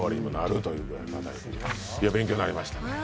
勉強になりましたね。